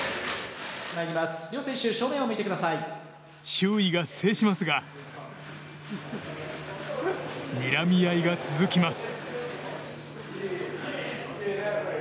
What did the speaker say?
周囲が制しますがにらみ合いが続きます。